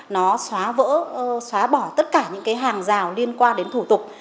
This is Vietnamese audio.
nó xóa vỡ xóa bỏ tất cả những cái hàng rào liên quan đến thủ tục